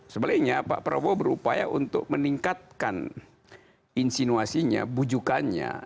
sebaliknya pak prabowo berupaya untuk meningkatkan insinuasinya bujukannya